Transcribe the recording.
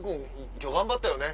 今日頑張ったよね？